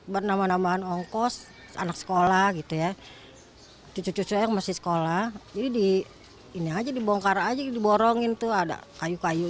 buat nama nama ongkos anak sekolah gitu ya cucu cucu yang masih sekolah jadi dibongkar aja diborongin tuh ada kayu kayu